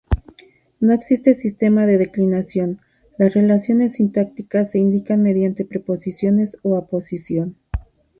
No existe sistema de declinación: las relaciones sintácticas se indican mediante preposiciones o aposición.